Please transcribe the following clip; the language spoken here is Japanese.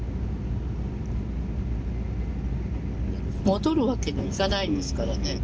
戻るわけにいかないですからね。